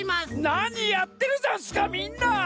なにやってるざんすかみんな！